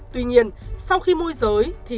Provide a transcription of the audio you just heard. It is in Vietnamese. tuy nhiên sau khi môi giới thì